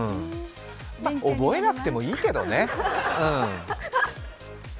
覚えなくてもいいけどね、うん。